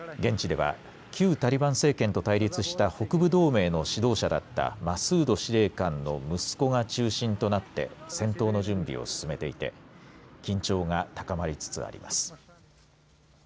現地では旧タリバン政権と対立した北部同盟の指導者だったマスード司令官の息子が中心となって戦闘の準備を進めていて緊張が高まりつつあります。